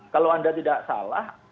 kalau anda tidak salah